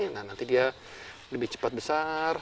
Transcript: nah nanti dia lebih cepat besar